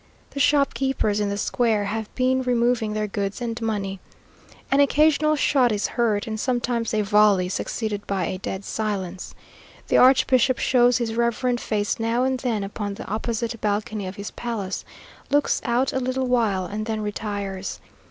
The shopkeepers in the square have been removing their goods and money. An occasional shot is heard, and sometimes a volley, succeeded by a dead silence. The archbishop shows his reverend face now and then upon the opposite balcony of his palace, looks out a little while, and then retires.